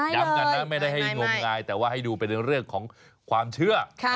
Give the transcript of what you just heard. กันนะไม่ได้ให้งมงายแต่ว่าให้ดูเป็นเรื่องของความเชื่อ